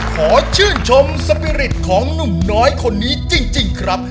ขอชื่นชมสปีริตของหนุ่มน้อยคนนี้จริงครับ